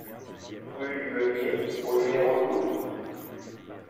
Rue du Beunier au numéro douze